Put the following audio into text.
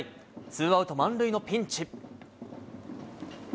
ツーアウト満塁のピンチ。